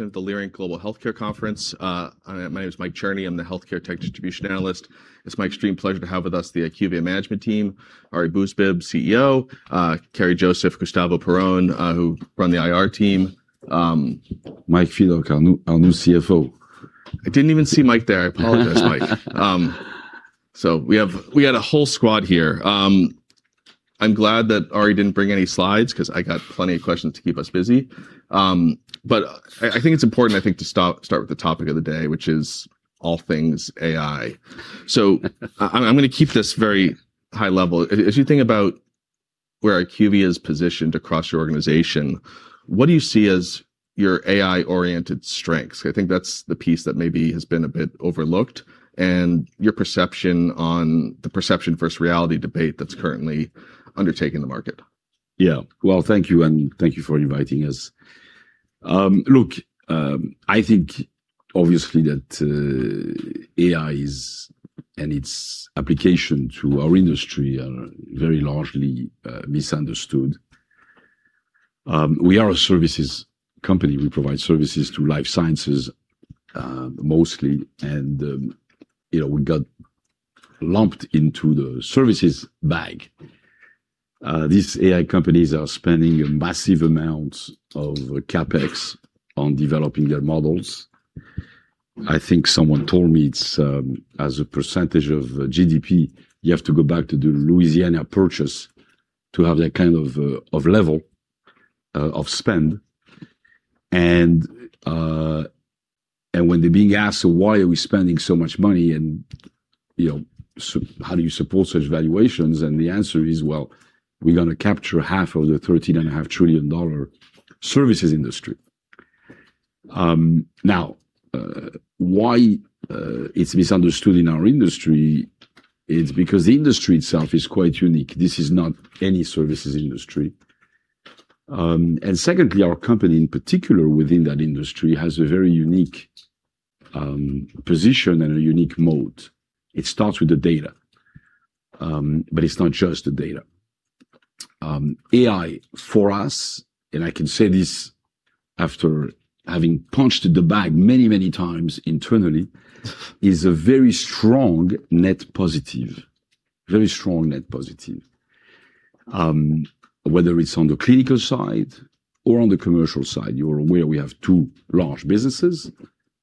At the Leerink Partners Global Healthcare Conference. My name is Mike Cherny. I'm the healthcare tech distribution analyst. It's my extreme pleasure to have with us the IQVIA management team, Ari Bousbib, Chief Executive Officer, Karey Joseph, Gustavo Perrone, who run the IR team. Mike Fedock, our new Chief Financial Officer. I didn't even see Mike there. I apologize, Mike. We got a whole squad here. I'm glad that Ari didn't bring any slides 'cause I got plenty of questions to keep us busy. I think it's important, I think to start with the topic of the day, which is all things AI. I'm gonna keep this very high level. If, if you think about where IQVIA is positioned across your organization, what do you see as your AI-oriented strengths? I think that's the piece that maybe has been a bit overlooked, and your perception on the perception versus reality debate that's currently undertaking the market. Yeah. Well, thank you, and thank you for inviting us. Look, I think obviously that AI is, and its application to our industry are very largely misunderstood. We are a services company. We provide services to life sciences mostly, and, you know, we got lumped into the services bag. These AI companies are spending massive amounts of CapEx on developing their models. I think someone told me it's as a percentage of GDP, you have to go back to the Louisiana Purchase to have that kind of level of spend. When they're being asked, "Well, why are we spending so much money and, you know, so how do you support such valuations?" The answer is, well, we're gonna capture half of the $13.5 trillion services industry. Why it's misunderstood in our industry, it's because the industry itself is quite unique. This is not any services industry. Secondly, our company in particular within that industry has a very unique position and a unique moat. It starts with the data, it's not just the data. AI for us, I can say this after having punched the bag many, many internally, is a very strong net positive. Very strong net positive. Whether it's on the clinical side or on the commercial side, you're aware we have two large businesses.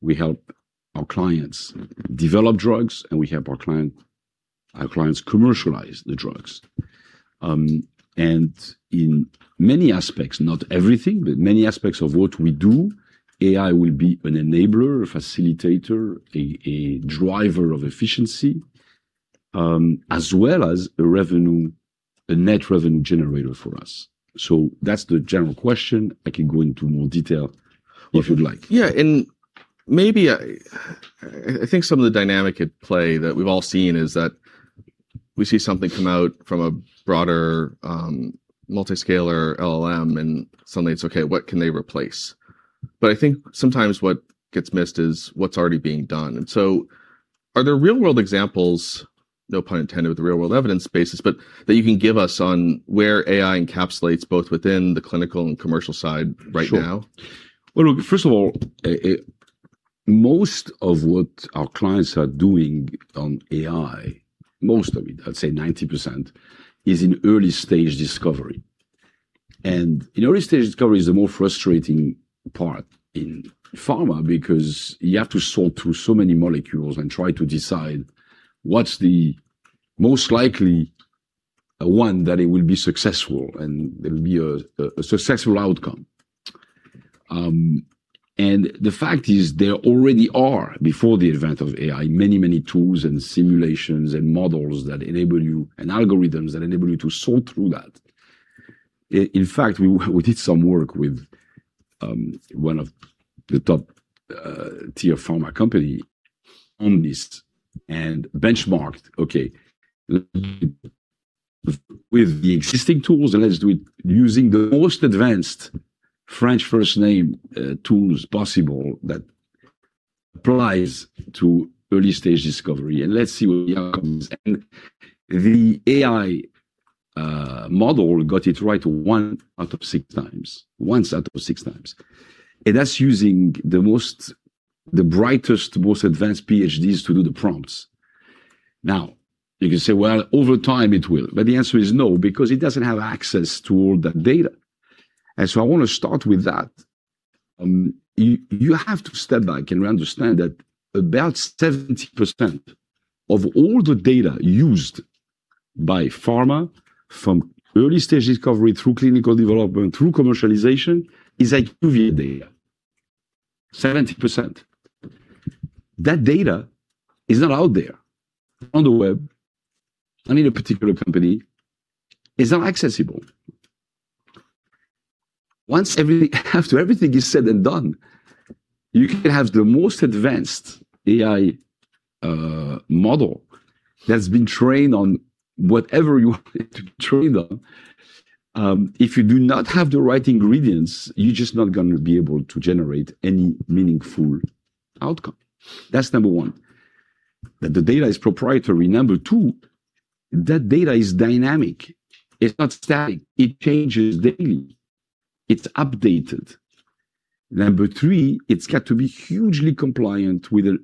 We help our clients develop drugs, we help our clients commercialize the drugs. In many aspects, not everything, but many aspects of what we do, AI will be an enabler, a facilitator, a driver of efficiency, as well as a net revenue generator for us. That's the general question. I can go into more detail if you'd like. Yeah, maybe, I think some of the dynamic at play that we've all seen is that we see something come out from a broader, multiscale LLM, and suddenly it's, okay, what can they replace? I think some what gets missed is what's already being done. Are there real-world examples, no pun intended, with the real-world evidence basis, but that you can give us on where AI encapsulates both within the clinical and commercial side right now? Sure. Well, look, first of all, most of what our clients are doing on AI, most of it, I'd say 90%, is in early-stage discovery. Early-stage discovery is the more frustrating part in pharma because you have to sort through so many molecules and try to decide what's the most likely one that it will be successful, and there will be a successful outcome. The fact is, there already are, before the advent of AI, many, many tools and simulations and models that enable you and algorithms that enable you to sort through that. In fact, we did some work with one of the top tier pharma company on this and benchmarked, okay, with the existing tools, and let's do it using the most advanced frontier tools possible that applies to early-stage discovery, and let's see where we are. The AI model got it right one out of 6x. Once out of 6x. That's using the brightest, most advanced PhDs to do the prompts. You can say, "Well, over time it will." The answer is no, because it doesn't have access to all that data. I want to start with that. You have to step back and understand that about 70% of all the data used by pharma, from early-stage discovery through clinical development through commercialization, is IQVIA data. 70%. That data is not out there on the web. Any particular company is not accessible. After everything is said and done, you can have the most advanced AI model that's been trained on whatever you want it to be trained on. If you do not have the right ingredients, you're just not gonna be able to generate any meaningful outcome. That's number one, that the data is proprietary. Number two. That data is dynamic. It's not static. It changes daily. It's updated. Number three, it's got to be hugely compliant with the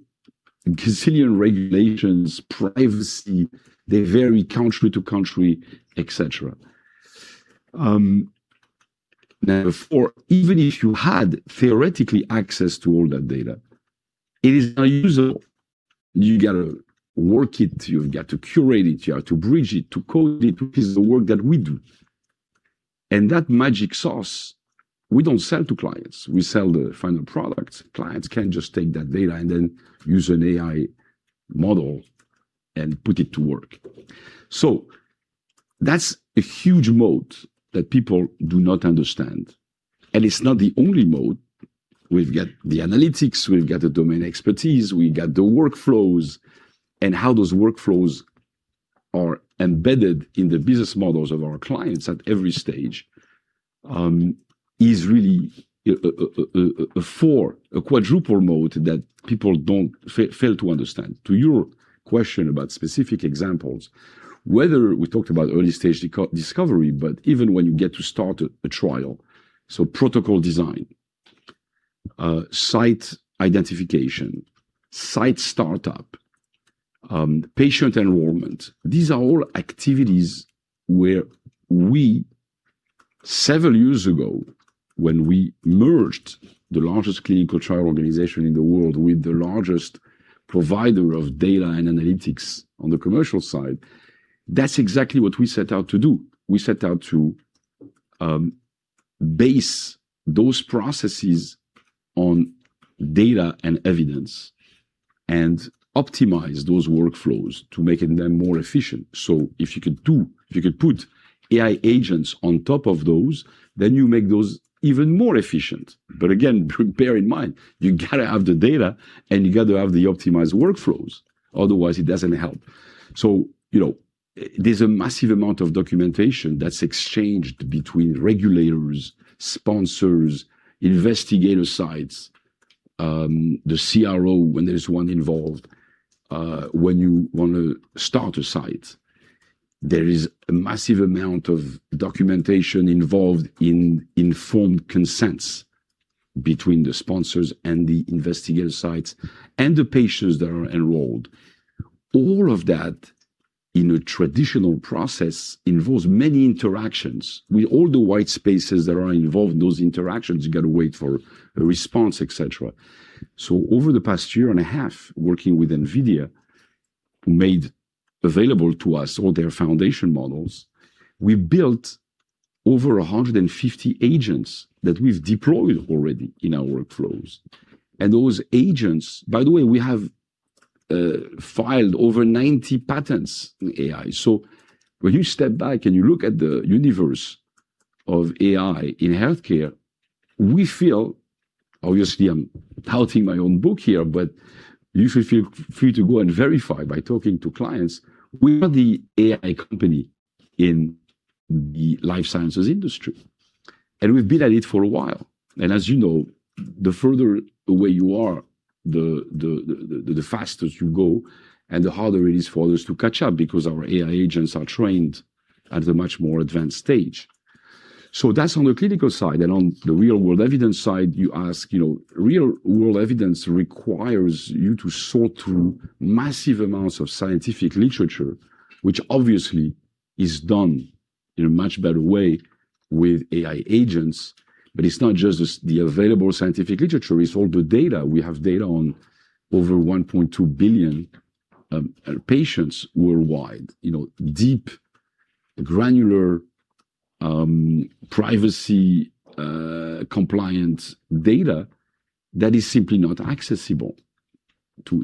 Brazilian regulations, privacy. They vary country to country, et cetera. Number four, even if you had theoretically access to all that data, it is unusable. You gotta work it, you've got to curate it, you have to bridge it, to code it, which is the work that we do. That magic sauce, we don't sell to clients. We sell the final product. Clients can just take that data and then use an AI model and put it to work. That's a huge moat that people do not understand. It's not the only moat. We've got the analytics, we've got the domain expertise, we got the workflows, and how those workflows are embedded in the business models of our clients at every stage, is really a quadruple moat that people don't fail to understand. To your question about specific examples, whether we talked about early-stage discovery, but even when you get to start a trial, protocol design, site identification, site startup, patient enrollment, these are all activities where several years ago, when we merged the largest clinical trial organization in the world with the largest provider of data and analytics on the commercial side, that's exactly what we set out to do. We set out to base those processes on data and evidence and optimize those workflows to making them more efficient. If you could put AI agents on top of those, then you make those even more efficient. Again, bear in mind, you gotta have the data and you gotta have the optimized workflows, otherwise it doesn't help. You know, there's a massive amount of documentation that's exchanged between regulators, sponsors, investigator sites, the CRO when there's one involved, when you want to start a site. There is a massive amount of documentation involved in informed consents between the sponsors and the investigator sites and the patients that are enrolled. All of that in a traditional process involves many interactions. With all the white spaces that are involved in those interactions, you gotta wait for a response, et cetera. Over the past year and a half, working with NVIDIA, who made available to us all their foundation models, we built over 150 agents that we've deployed already in our workflows. Those agents. By the way, we have filed over 90 patents in AI. When you step back and you look at the universe of AI in healthcare, we feel, obviously, I'm touting my own book here, but you should feel free to go and verify by talking to clients. We are the AI company in the life sciences industry, and we've been at it for a while. As you know, the faster you go and the harder it is for others to catch up because our AI agents are trained at a much more advanced stage. That's on the clinical side. On the real world evidence side, you ask, you know, real world evidence requires you to sort through massive amounts of scientific literature, which obviously is done in a much better way with AI agents. It's not just the available scientific literature, it's all the data. We have data on over 1.2 billion patients worldwide, you know, deep, granular, privacy compliant data that is simply not accessible to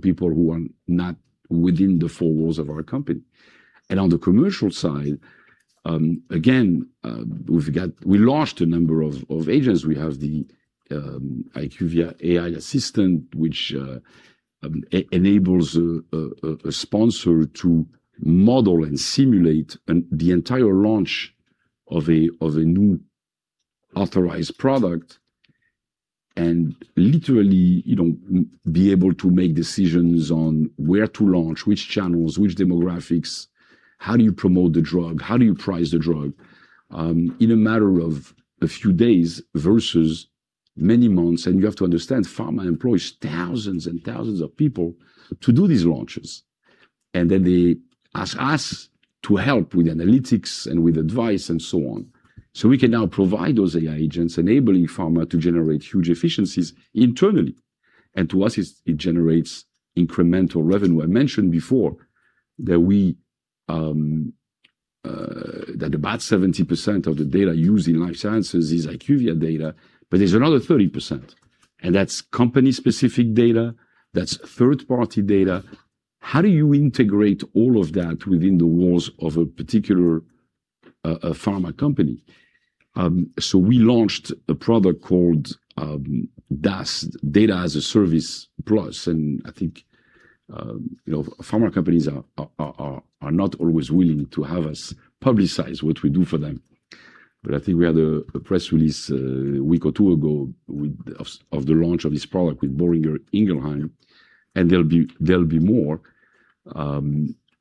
people who are not within the four walls of our company. On the commercial side, we launched a number of agents. We have the IQVIA AI Assistant, which enables a sponsor to model and simulate the entire launch of a new authorized product and literally, you know, be able to make decisions on where to launch, which channels, which demographics, how do you promote the drug, how do you price the drug, in a matter of a few days versus many months. You have to understand, pharma employs thousands and thousands of people to do these launches, and then they ask us to help with analytics and with advice and so on. We can now provide those AI agents enabling pharma to generate huge efficiencies internally. To us, it generates incremental revenue. I mentioned before that we that about 70% of the data used in life sciences is IQVIA data, but there's another 30%, and that's company-specific data, that's third-party data. How do you integrate all of that within the walls of a particular pharma company? We launched a product called DaaS, Data as a Service Plus. I think, you know, pharma companies are not always willing to have us publicize what we do for them. I think we had a press release a week or two ago of the launch of this product with Boehringer Ingelheim, and there'll be more.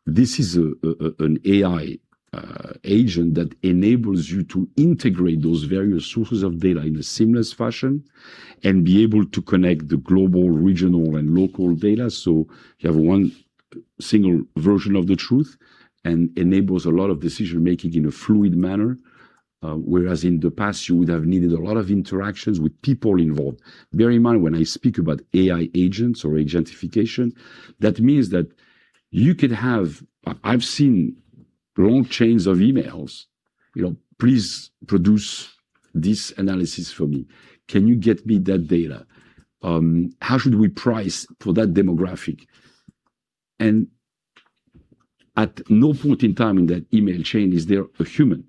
This is an AI agent that enables you to integrate those various sources of data in a seamless fashion and be able to connect the global, regional, and local data. You have one single version of the truth and enables a lot of decision-making in a fluid manner. Whereas in the past, you would have needed a lot of interactions with people involved. Bear in mind when I speak about AI agents or agentification, that means that you could have... I've seen long chains of emails, you know, "Please produce this analysis for me. Can you get me that data? How should we price for that demographic?" At no point in time in that email chain is there a human.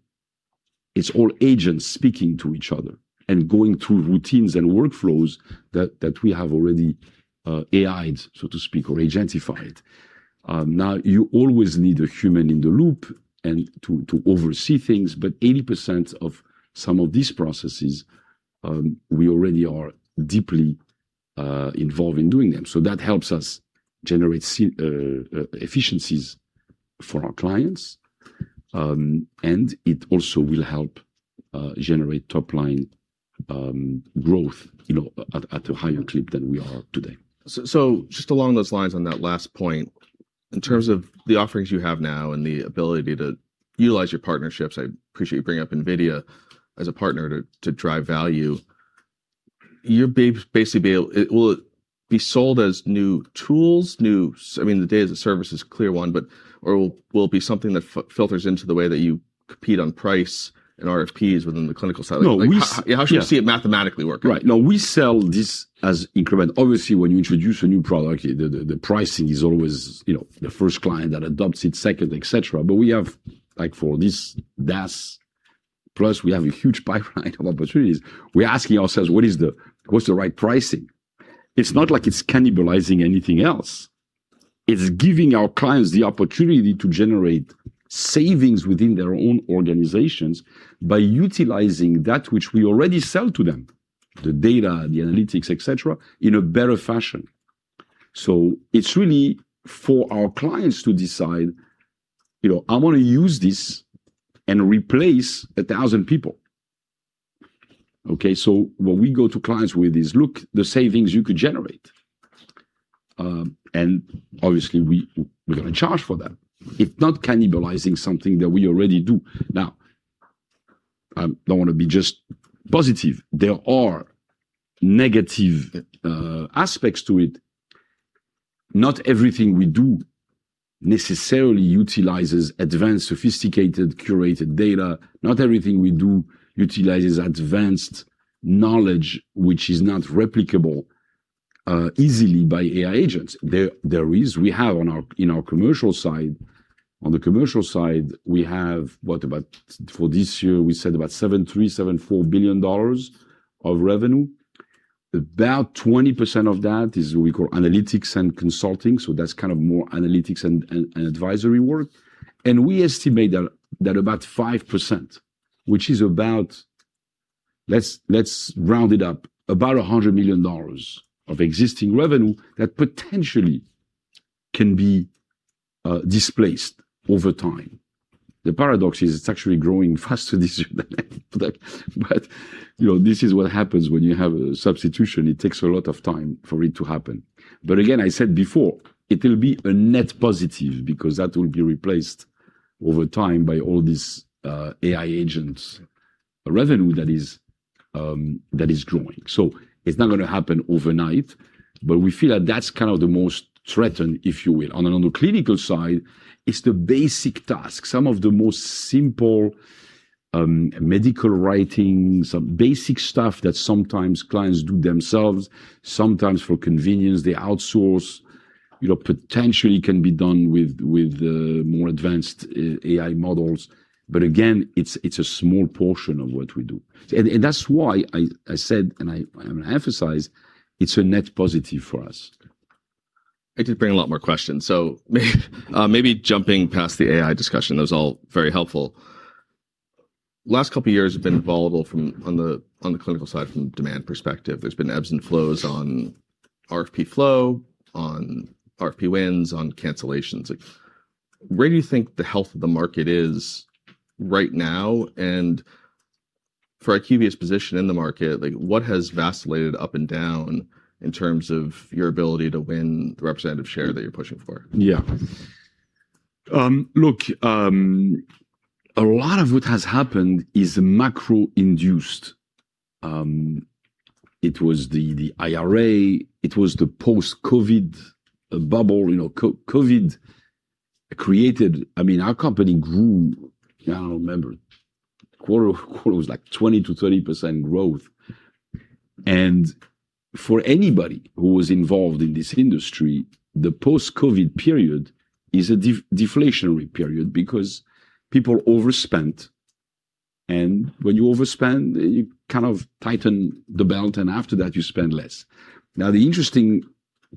It's all agents speaking to each other and going through routines and workflows that we have already AI'd, so to speak, or agentified. Now you always need a human in the loop and to oversee things, but 80% of some of these processes, we already are deeply involved in doing them. That helps us generate efficiencies for our clients, and it also will help generate top-line growth, you know, at a higher clip than we are today. Just along those lines on that last point, in terms of the offerings you have now and the ability to utilize your partnerships, I appreciate you bringing up NVIDIA as a partner to drive value. It will be sold as new tools, new... I mean, the data as a service is a clear one, but or will be something that filters into the way that you compete on price and RFPs within the clinical side. No. How should we see it mathematically working? Right. No, we sell this as increment. Obviously, when you introduce a new product, the pricing is always, you know, the first client that adopts it, second, et cetera. We have, like, for this DaaS+, we have a huge pipeline of opportunities. We're asking ourselves, "What's the right pricing?" It's not like it's cannibalizing anything else. It's giving our clients the opportunity to generate savings within their own organizations by utilizing that which we already sell to them, the data, the analytics, et cetera, in a better fashion. It's really for our clients to decide, you know, I wanna use this and replace 1,000 people. Okay? When we go to clients with this, "Look, the savings you could generate," and obviously we're gonna charge for that. It's not cannibalizing something that we already do. I don't wanna be just positive. There are negative aspects to it. Not everything we do necessarily utilizes advanced, sophisticated, curated data. Not everything we do utilizes advanced knowledge which is not replicable easily by AI agents. We have on the commercial side, we have about for this year, we said about $7.3 billion-$7.4 billion of revenue. About 20% of that is what we call analytics and consulting, so that's kind of more analytics and advisory work. We estimate that about 5%, which is about, let's round it up, about $100 million of existing revenue that potentially can be displaced over time. The paradox is it's actually growing faster this year than any product. You know, this is what happens when you have a substitution. It takes a lot of time for it to happen. Again, I said before, it will be a net positive because that will be replaced over time by all these AI agents revenue that is growing. It's not gonna happen overnight, but we feel that that's kind of the most threatened, if you will. On the clinical side, it's the basic tasks. Some of the most simple medical writings, basic stuff that sometimes clients do themselves, sometimes for convenience, they outsource, you know, potentially can be done with more advanced AI models. Again, it's a small portion of what we do. That's why I said, and I emphasize, it's a net positive for us. It did bring a lot more questions. Maybe jumping past the AI discussion, that was all very helpful. Last couple of years have been volatile from on the clinical side from demand perspective. There's been ebbs and flows on RFP flow, on RFP wins, on cancellations. Like, where do you think the health of the market is right now? For IQVIA's position in the market, like, what has vacillated up and down in terms of your ability to win the representative share that you're pushing for? Look, a lot of what has happened is macro-induced. It was the IRA, it was the post-COVID bubble. You know, COVID created... I mean, our company grew, I don't remember, quote unquote, it was like 20%-30% growth. For anybody who was involved in this industry, the post-COVID period is a deflationary period because people overspent. When you overspend, you kind of tighten the belt, and after that you spend less. The interesting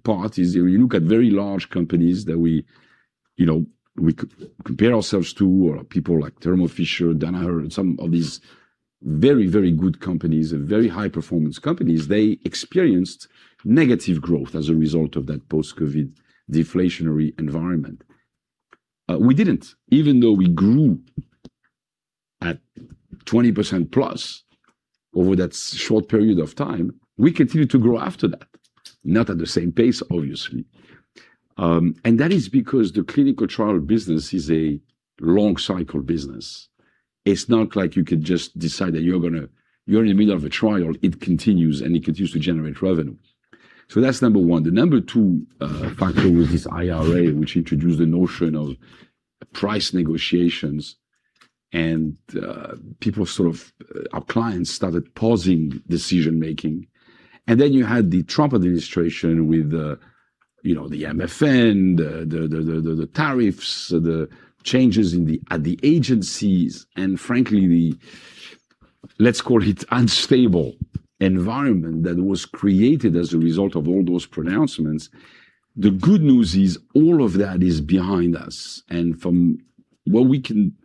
part is if you look at very large companies that we you know, we compare ourselves to, or people like Thermo Fisher, Danaher, and some of these very, very good companies and very high-performance companies, they experienced negative growth as a result of that post-COVID deflationary environment. We didn't. Even though we grew at 20%+ over that short period of time, we continued to grow after that. Not at the same pace, obviously. That is because the clinical trial business is a long-cycle business. It's not like you could just decide that you're gonna. You're in the middle of a trial, it continues, and it continues to generate revenue. That's number one. The number two factor was this IRA, which introduced the notion of price negotiations, and people, sort of, our clients started pausing decision-making. You had the Trump administration with the, you know, the MFN, the tariffs, the changes at the agencies, and frankly, the unstable environment that was created as a result of all those pronouncements. The good news is all of that is behind us, and from what we can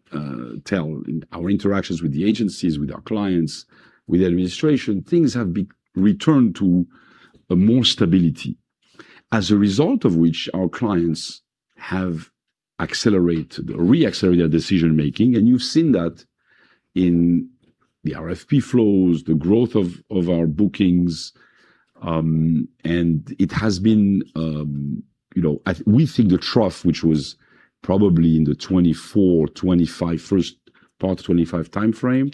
tell in our interactions with the agencies, with our clients, with the administration, things have returned to a more stability. As a result of which, our clients have accelerated or re-accelerated their decision-making, and you've seen that in the RFP flows, the growth of our bookings, you know, we think the trough, which was probably in the 2024, 2025, first part of 2025 timeframe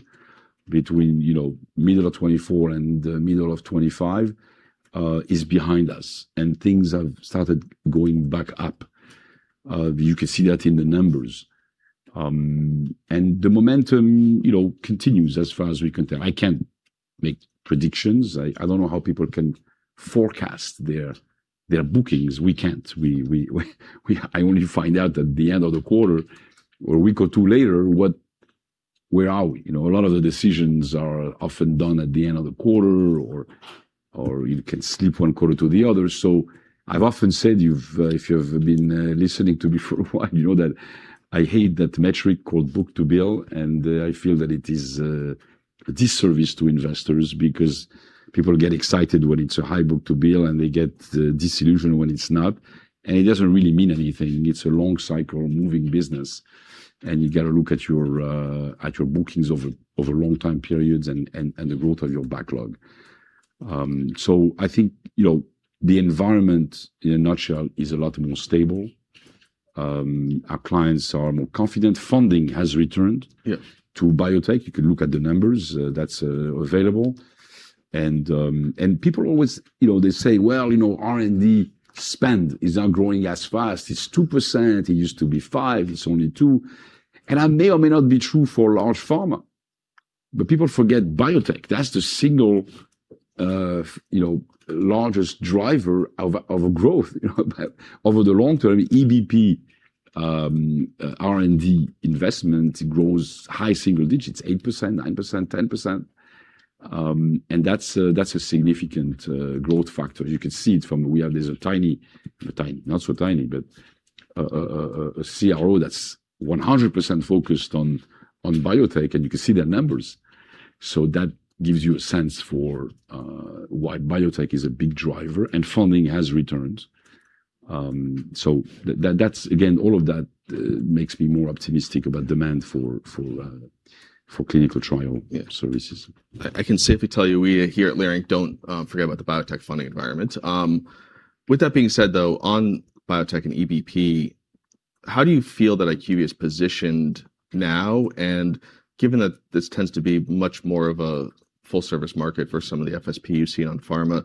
between, you know, middle of 2024 and the middle of 2025, is behind us, and things have started going back up. You can see that in the numbers. The momentum, you know, continues as far as we can tell. I can't make predictions. I don't know how people can forecast their bookings. We can't. I only find out at the end of the quarter or a week or two later, where are we? You know, a lot of the decisions are often done at the end of the quarter or it can slip one quarter to the other. I've often said you've, if you've been listening to me for a while, you know that I hate that metric called book-to-bill, and I feel that it is a disservice to investors because people get excited when it's a high book-to-bill, and they get disillusioned when it's not, and it doesn't really mean anything. It's a long cycle moving business, and you gotta look at your at your bookings over long time periods and the growth of your backlog. I think, you know, the environment, in a nutshell, is a lot more stable. Our clients are more confident. Funding has returned. Yeah. -to biotech. You can look at the numbers, that's available. People always, you know, they say, "Well, you know, R&D spend is not growing as fast. It's 2%. It used to be 5%. It's only 2%." That may or may not be true for large pharma, but people forget biotech. That's the single, you know, largest driver of growth, you know. Over the long term, EBP R&D investment grows high single digits, 8%, 9%, 10%, that's a significant growth factor. You can see it from... We are this tiny, not so tiny, but a CRO that's 100% focused on biotech, you can see their numbers. That gives you a sense for why biotech is a big driver and funding has returned. That's again, all of that makes me more optimistic about demand for clinical trial services. I can safely tell you, we here at Leerink don't forget about the biotech funding environment. With that being said, though, on biotech and EBP, how do you feel that IQVIA is positioned now? Given that this tends to be much more of a full-service market for some of the FSP you see on pharma,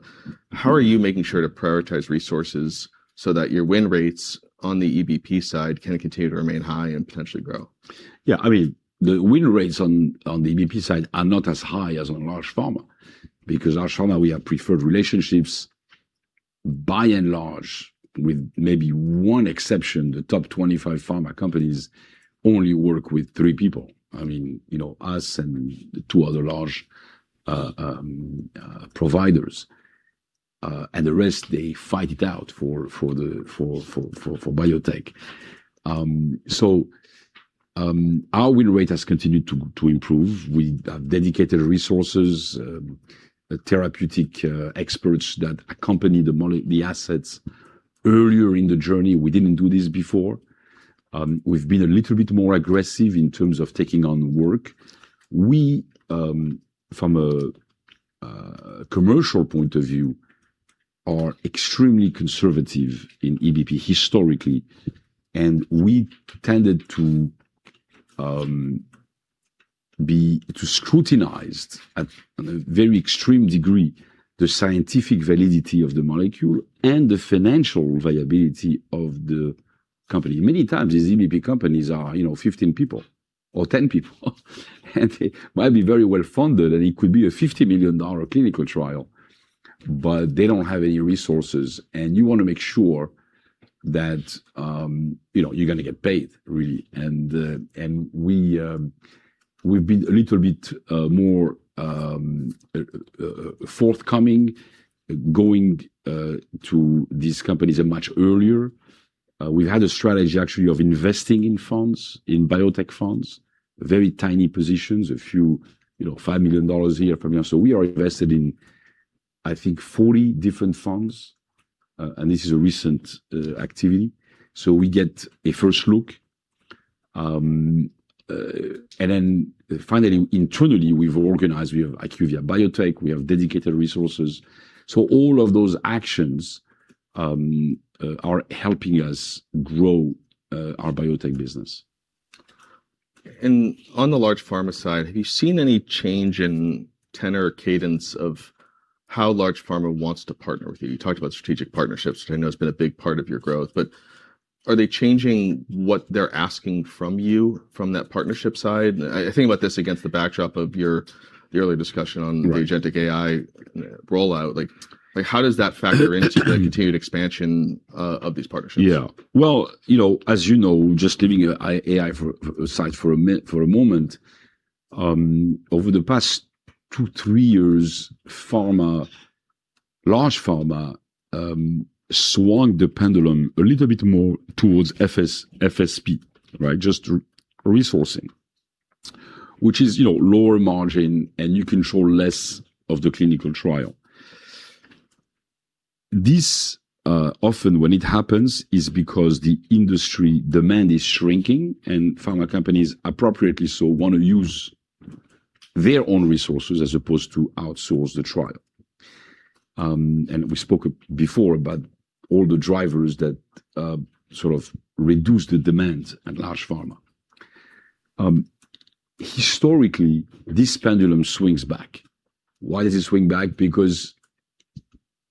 how are you making sure to prioritize resources so that your win rates on the EBP side can continue to remain high and potentially grow? Yeah. I mean, the win rates on the EBP side are not as high as on large pharma because large pharma, we have preferred relationships by and large, with maybe one exception. The top 25 pharma companies only work with three people. I mean, you know, us and two other large providers, and the rest, they fight it out for the biotech. Our win rate has continued to improve. We have dedicated resources, therapeutic experts that accompany the assets earlier in the journey. We didn't do this before. We've been a little bit more aggressive in terms of taking on work. We from a commercial point of view, are extremely conservative in EBP historically, and we tended to scrutinize at a very extreme degree the scientific validity of the molecule and the financial viability of the company. Many times these EBP companies are, you know, 15 people or 10 people, and they might be very well-funded, and it could be a $50 million clinical trial, but they don't have any resources. You want to make sure that, you know, you're gonna get paid really. We've been a little bit more forthcoming going to these companies a much earlier. We had a strategy actually of investing in funds, in biotech funds, very tiny positions, a few, you know, $5 million here from here. We are invested in, I think, 40 different funds, and this is a recent activity, so we get a first look. Finally, internally, we've organized, we have IQVIA Biotech, we have dedicated resources. All of those actions are helping us grow our biotech business. On the large pharma side, have you seen any change in tenor cadence of how large pharma wants to partner with you? You talked about strategic partnerships, which I know has been a big part of your growth, but are they changing what they're asking from you from that partnership side? I think about this against the backdrop of your, the earlier discussion on... Right. the agentic AI rollout. Like how does that factor into the continued expansion of these partnerships? Well, you know, as you know, just leaving AI aside for a moment, over the past two, three years, pharma, large pharma, swung the pendulum a little bit more towards FSP, right? Just resourcing. Which is, you know, lower margin and you control less of the clinical trial. This often when it happens, is because the industry demand is shrinking and pharma companies appropriately so want to use their own resources as opposed to outsource the trial. We spoke before about all the drivers that reduced the demand at large pharma. Historically, this pendulum swings back. Why does it swing back?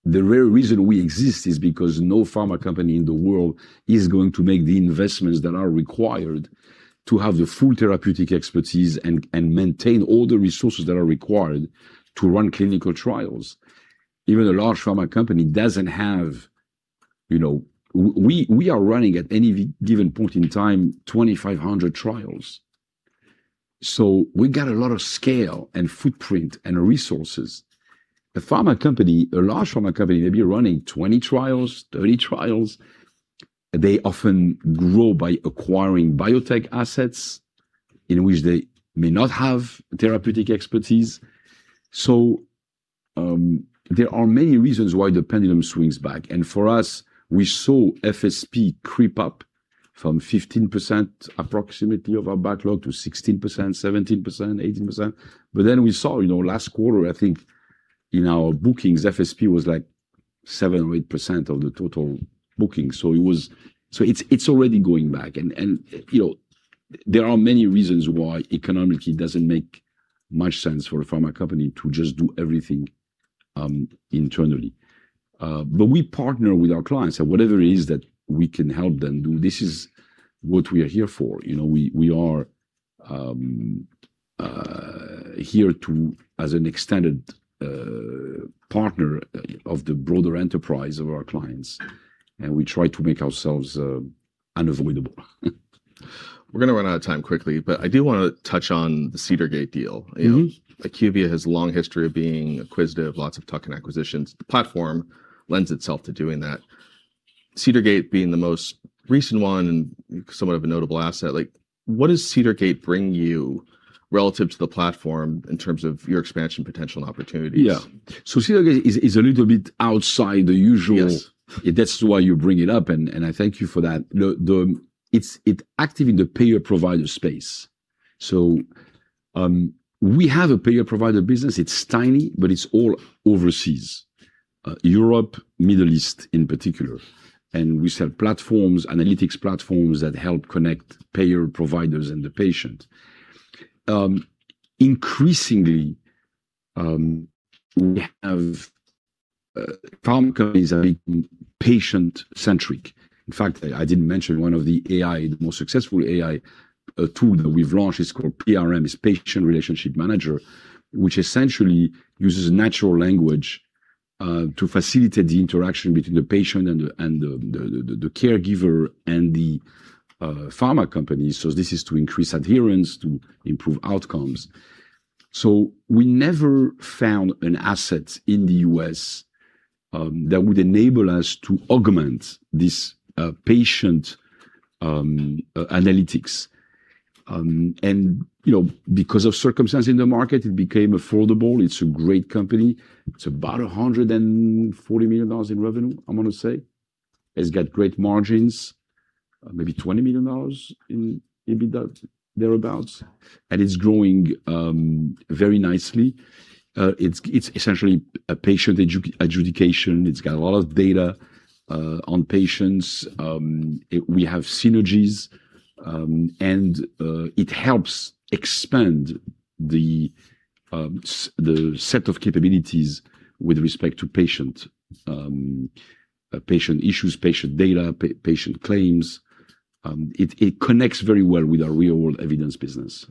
The very reason we exist is because no pharma company in the world is going to make the investments that are required to have the full therapeutic expertise and maintain all the resources that are required to run clinical trials. Even a large pharma company doesn't have, you know. We are running at any given point in time, 2,500 trials. We got a lot of scale and footprint and resources. A pharma company, a large pharma company, may be running 20 trials, 30 trials. They often grow by acquiring biotech assets in which they may not have therapeutic expertise. There are many reasons why the pendulum swings back. For us, we saw FSP creep up from 15% approximately of our backlog to 16%, 17%, 18%. We saw, you know, last quarter, I think in our bookings, FSP was like 7% or 8% of the total booking. It's already going back and, you know, there are many reasons why economically it doesn't make much sense for a pharma company to just do everything internally. We partner with our clients. Whatever it is that we can help them do, this is what we are here for. You know, we are here to as an extended partner of the broader enterprise of our clients, and we try to make ourselves unavoidable. We're gonna run out of time quickly, but I do wanna touch on the Cedar Gate deal. You know? Mm-hmm. IQVIA has a long history of being acquisitive, lots of tuck-in acquisitions. The platform lends itself to doing that. Cedar Gate being the most recent one and somewhat of a notable asset, like what does Cedar Gate bring you relative to the platform in terms of your expansion potential and opportunities? Yeah. Cedar Gate is a little bit outside the usual… Yes. That's why you bring it up and I thank you for that. It's active in the payer-provider space. We have a payer-provider business. It's tiny, but it's all overseas, Europe, Middle East in particular. We sell platforms, analytics platforms that help connect payer, providers and the patient. Increasingly, we have pharma companies are being patient-centric. In fact, I didn't mention one of the AI, the most successful AI tool that we've launched. It's called PRM, it's Patient Relationship Manager, which essentially uses natural language to facilitate the interaction between the patient and the caregiver and the pharma company. This is to increase adherence, to improve outcomes. We never found an asset in the US that would enable us to augment this patient analytics. You know, because of circumstance in the market, it became affordable. It's a great company. It's about $140 million in revenue, I wanna say. It's got great margins, maybe $20 million in EBITDA thereabouts, and it's growing very nicely. It's essentially a patient adjudication. It's got a lot of data on patients. We have synergies, it helps expand the set of capabilities with respect to patient issues, patient data, patient claims. It connects very well with our real-world evidence business.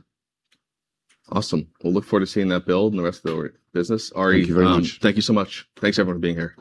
Awesome. We'll look forward to seeing that build and the rest of the business. Thank you very much. Thank you so much. Thanks everyone for being here.